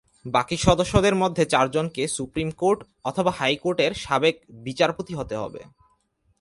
বাকি সদস্যদের মধ্যে চারজনকে সুপ্রিম কোর্ট অথবা হাইকোর্টের সাবেক বিচারপতি হতে হবে।